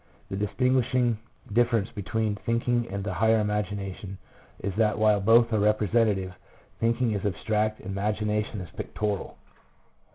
The distinguishing difference between thinking and the higher imagination is that while both are representative, thinking is abstract and imagina tion is pictorial.